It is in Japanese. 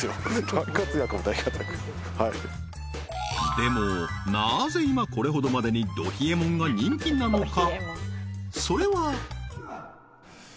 でもなぜ今これほどまでにど冷えもんが人気なのか？